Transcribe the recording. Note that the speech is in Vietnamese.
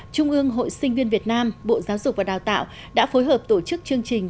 trung ương hội sinh viên việt nam bộ giáo dục và đào tạo đã phối hợp tổ chức chương trình